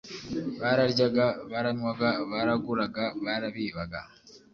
bararyaga, baranywaga, baraguraga, barabibaga,